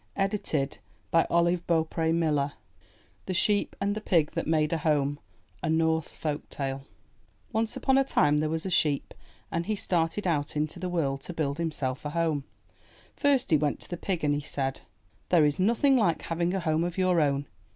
— Abridged, IN THE NURSERY THE SHEEP AND THE PIG THAT MADE A HOME A Norse Folk Tale Once upon a time there was a sheep, and he started out into the world to build himself a home. First he went to the pig and he said: '* There is nothing like having a home of your own.